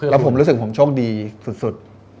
แล้วผมรู้สึกผมโชคดีสุด